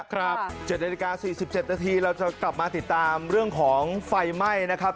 ๗นาฬิกา๔๗นาทีเราจะกลับมาติดตามเรื่องของไฟไหม้นะครับ